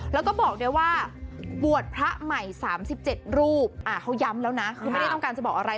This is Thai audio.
แล้วก็บอกด้วยว่าบวชพระใหม่๓๗รูปเขาย้ำแล้วนะคือไม่ได้ต้องการจะบอกอะไร